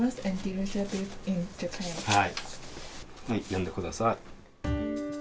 読んでください。